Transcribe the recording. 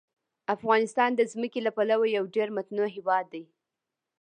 افغانستان د ځمکه له پلوه یو ډېر متنوع هېواد دی.